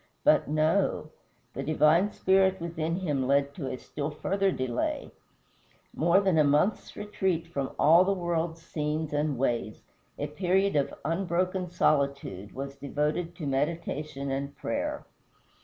But no. The divine Spirit within him led to a still farther delay. More than a month's retreat from all the world's scenes and ways, a period of unbroken solitude, was devoted to meditation and prayer.